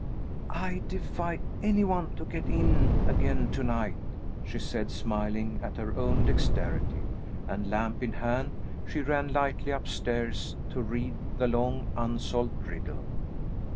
"I defy any one to get in again tonight!" she said, smiling at her own dexterity; and lamp in hand, she ran lightly up stairs to read the long unsolved riddle.